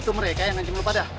itu mereka yang mancem lu pada